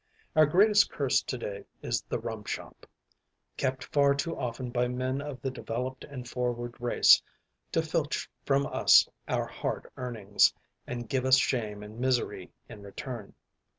Our greatest curse to day is the rum shop, kept far too often by men of the developed and forward race to filch from us our hard earnings, and give us shame and misery in return.